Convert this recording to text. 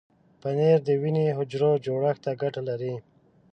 پنېر د وینې حجرو جوړښت ته ګټه لري.